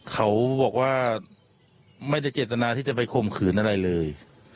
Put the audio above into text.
เขาบอกว่าไม่ได้เจตนาที่จะไปข่มขืนอะไรเลย